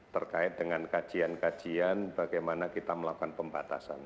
terkait dengan kajian kajian bagaimana kita melakukan pembatasan